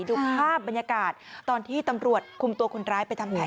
ดูภาพบรรยากาศตอนที่ตำรวจคุมตัวคนร้ายไปทำแผน